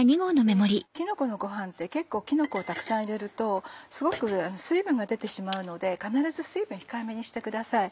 キノコのごはんって結構キノコをたくさん入れるとすごく水分が出てしまうので必ず水分控えめにしてください。